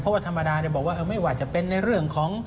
เพราะว่าธรรมดาบอกว่าไม่ว่าจะเป็นในเรื่องของ